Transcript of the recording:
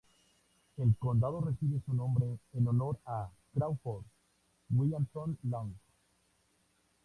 El condado recibe su nombre en honor a Crawford Williamson Long.